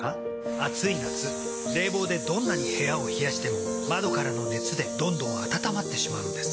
暑い夏冷房でどんなに部屋を冷やしても窓からの熱でどんどん暖まってしまうんです。